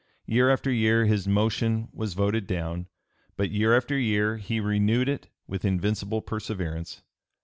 Year after year his motion was voted down, but year after year he renewed it with invincible perseverance.